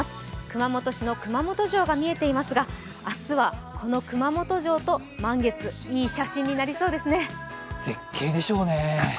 熊本市の熊本城が見えていますが、明日はこの熊本城と満月、いい写真になりそうですね。